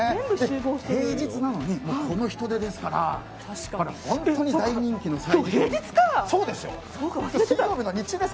平日なのにこの人出ですから本当に大人気なんです。